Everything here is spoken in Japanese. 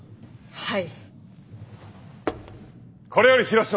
はい！